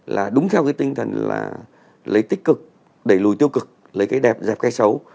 là đúng theo cái tinh thần là lấy tích cực đẩy lùi tiêu cực lấy cái đẹp dẹp cái xấu